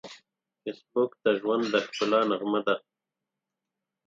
فېسبوک د ژوند د ښکلا نغمه ده